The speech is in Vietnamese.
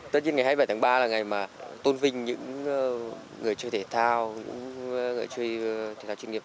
tất nhiên ngày hai mươi bảy tháng ba là ngày mà tôn vinh những người chơi thể thao gỡ chơi thể thao chuyên nghiệp